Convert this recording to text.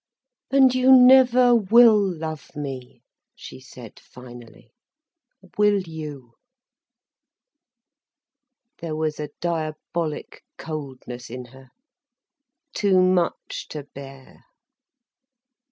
"And you never will love me," she said finally, "will you?" There was a diabolic coldness in her, too much to bear.